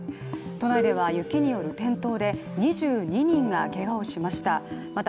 都内では雪による転倒で２２人がけがをしました。